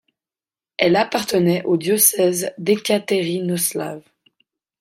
Elle appartenait au diocèse d'Ekaterinoslav.